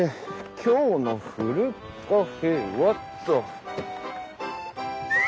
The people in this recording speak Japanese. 今日のふるカフェはっと。